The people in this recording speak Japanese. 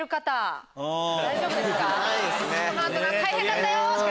大変だったよ！って。